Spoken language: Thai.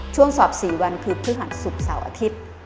สอบ๔วันคือพฤหัสศุกร์เสาร์อาทิตย์